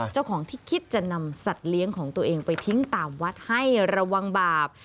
เจ้าของที่คิดจะนำสัตว์เลี้ยงของตัวเองไปทิ้งตามวัดให้ระวังบาป